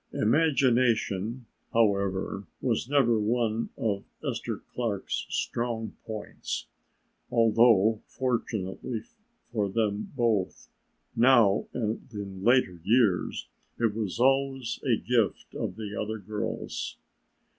Imagination, however, was never one of Esther Clark's strong points, although fortunately for them both now and in later years it was always a gift of the other girl's.